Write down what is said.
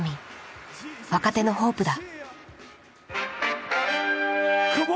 若手のポープだ。